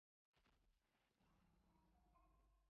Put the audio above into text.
ازادي راډیو د بیکاري ستر اهميت تشریح کړی.